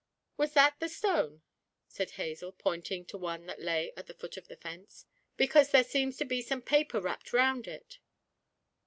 'Was that the stone?' said Hazel, pointing to one that lay at the foot of the fence; 'because there seems to be some paper wrapped round it.'